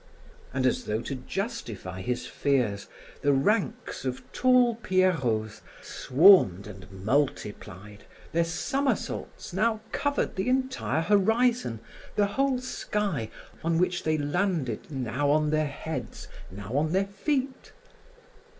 And as though to justify his fears, the ranks of tall pierrots swarmed and multiplied; their somersaults now covered the entire horizon, the whole sky on which they landed now on their heads, now on their feet.